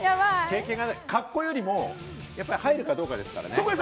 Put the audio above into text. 格好よりも入るかどうかですからね。